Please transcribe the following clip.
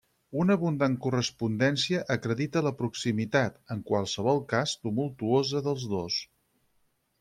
Una abundant correspondència acredita la proximitat, en qualsevol cal tumultuosa, dels dos.